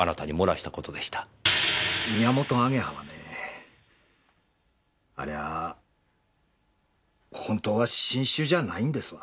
ミヤモトアゲハはねありゃホントは新種じゃないんですわ。